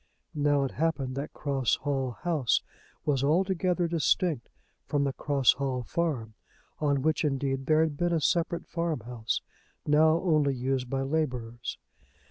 Now it happened that Cross Hall House was altogether distinct from the Cross Hall Farm, on which, indeed, there had been a separate farmhouse, now only used by labourers.